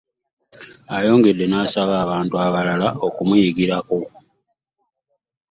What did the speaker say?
Ayongedde n'asaba abantu abalala okumuyigirako.